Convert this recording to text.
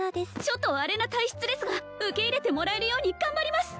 ちょっとあれな体質ですが受け入れてもらえるように頑張ります！